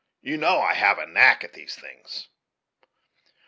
You know I have a knack at these things."